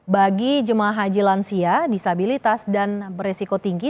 bagi jemaah haji lansia disabilitas dan beresiko tinggi